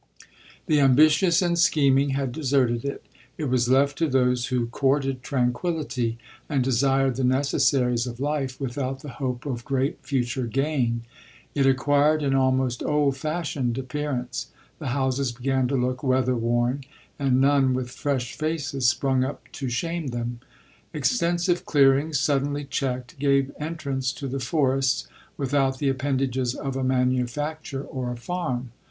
The ambitious and scheming had deserted it — it was left to those who courted tranquillity, and desired the ne cessaries of life without the hope of great future gain. It acquired an almost old fashioned ap pearance. The houses began to look weather worn, and none with fresh faces sprung up to shame them. Extensive clearings, suddenly checked, gave entrance to the forests, without the appendages of a manufacture or a farm.